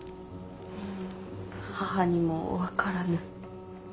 うん母にも分からぬ。